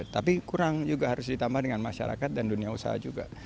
tapi kurang juga harus ditambah dengan masyarakat dan dunia usaha juga